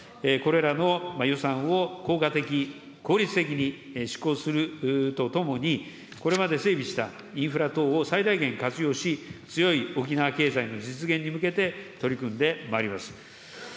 これらの予算を効果的、効率的に施行するとともに、これまで整備したインフラ等を最大限活用し、強い沖縄経済の実現に向けて取り組んでまいります。